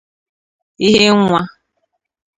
ihe nwa